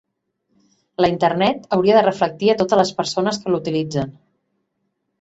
La Internet hauria de reflectir a totes les persones que l'utilitzen.